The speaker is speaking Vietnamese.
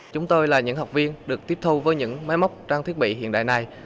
chúng tôi là những học viên được tiếp thu với những máy móc trang thiết bị hiện đại này